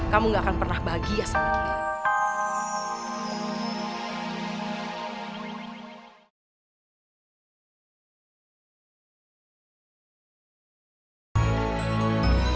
kamu gak akan pernah bahagia sama dia